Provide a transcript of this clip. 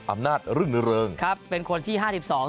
อำนาจรึ่งเริงครับเป็นคนที่ห้าสิบสอง